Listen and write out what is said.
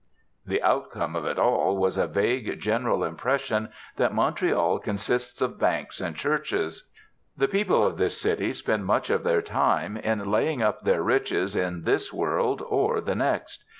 The outcome of it all was a vague general impression that Montreal consists of banks and churches. The people of this city spend much of their time in laying up their riches in this world or the next.